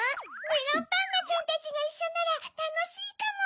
メロンパンナちゃんたちがいっしょならたのしいかも！